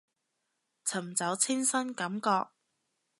尋找清新感覺